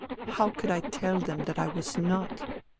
How could I tell them that I was not